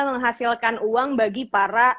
menghasilkan uang bagi para